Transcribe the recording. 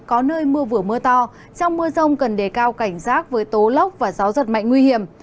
có nơi mưa vừa mưa to trong mưa rông cần đề cao cảnh giác với tố lốc và gió giật mạnh nguy hiểm